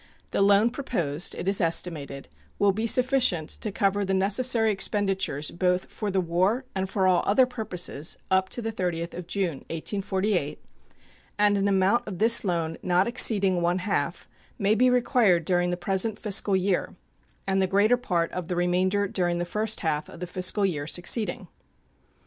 The loan proposed, it is estimated, will be sufficient to cover the necessary expenditures both for the war and for all other purposes up to the 30th of June, 1848, and an amount of this loan not exceeding one half may be required during the present fiscal year, and the greater part of the remainder during the first half of the fiscal year succeeding.